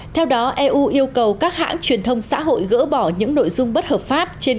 theo đó eu yêu cầu các hãng truyền thông xã hội gỡ bỏ những nội dung bất hợp pháp trên